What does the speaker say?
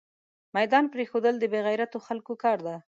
ميدان پريښودل دبې غيرتو خلکو کار ده